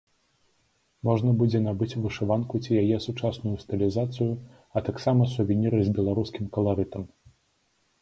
Можна будзе набыць вышыванку ці яе сучасную стылізацыю, а таксама сувеніры з беларускім каларытам.